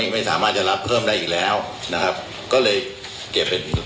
ไม่สามารถจะรับเพิ่มได้อีกแล้วนะครับก็เลยเก็บเป็น